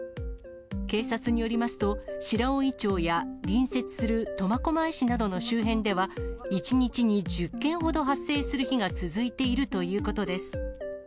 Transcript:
警察によりますと、白老町や隣接する苫小牧市などの周辺では、１日に１０件ほど発生する日が続いているということです。